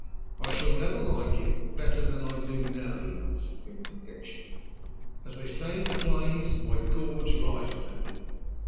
"I shall never like him better than I do now," he answered, with conviction. "As they say in the plays, 'my gorge rises at him!'